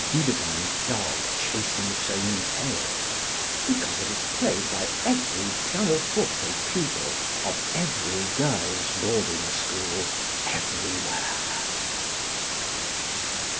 Dudevant's dog chasing its own tail), because it is played by every pianoforte pupil of every girls' boarding school everywhere.